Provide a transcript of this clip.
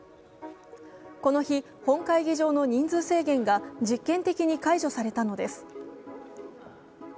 この日、本会議場の人数制限が実験的に解除されたのです。